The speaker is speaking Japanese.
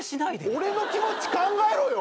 俺の気持ち考えろよ！